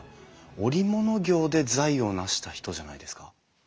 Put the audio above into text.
織物業で財を成した人じゃないですか？